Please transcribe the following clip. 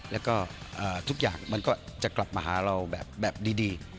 แล้วก็ทุกอย่างมันก็จะกลับมาหาเราแบบดี